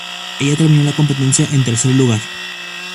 Ella terminó la competencia en tercer lugar.